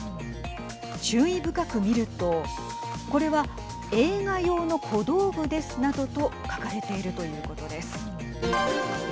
注意深く見るとこれは映画用の小道具ですなどと書かれているということです。